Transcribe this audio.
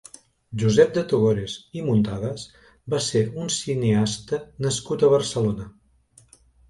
Josep de Togores i Muntades va ser un cineasta nascut a Barcelona.